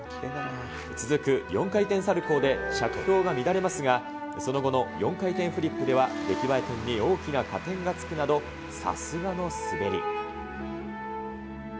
続く４回転サルコーで着氷が乱れますが、その後の４回転フリップでは、出来栄え点に大きな加点がつくなど、さすがの滑り。